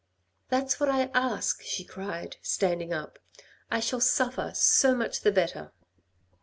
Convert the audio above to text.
" That's what I ask," she cried, standing up. " I shall suffer, so much the better."